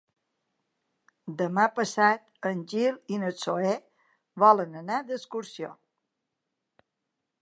Demà passat en Gil i na Zoè volen anar d'excursió.